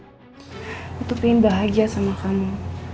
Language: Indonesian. aku pengen bahagia sama kamu